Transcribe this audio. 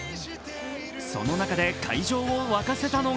その中で会場を沸かせたのが